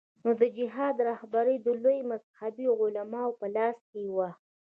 نو د جهاد رهبري د لویو مذهبي علماوو په لاس کې وه.